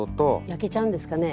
焼けちゃうんですかね？